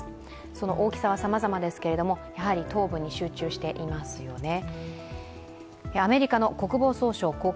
その大きさはさまざまですけど東部に集中していますよね。